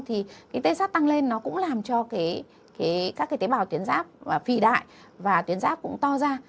thì cái tê sát tăng lên nó cũng làm cho các cái tế bào tuyến giáp phì đại và tuyến giáp cũng to ra